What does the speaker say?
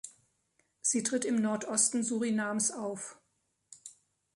Sie tritt im Nordosten Surinames auf.